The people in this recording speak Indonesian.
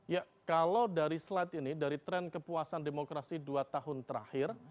ya kalau dari slide ini dari tren kepuasan demokrasi dua tahun terakhir